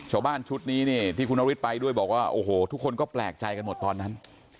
ชาวบ้านชุดนี้ที่คุณธริตไปด้วยบอกว่าทุกคนก็แปลกใจกันหมดตอนนั้น